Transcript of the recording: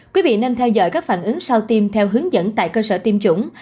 quý vị nên theo dõi các phản ứng sau tiêm theo hướng dẫn tại cơ sở tiêm chủng